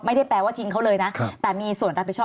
ไม่ได้แปลว่าทิ้งเขาเลยนะแต่มีส่วนรับผิดชอบ